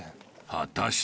［果たして？］